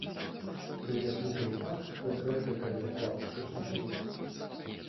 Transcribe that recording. Яе слухалі так, як рэдка калі дакладчыкаў слухаюць.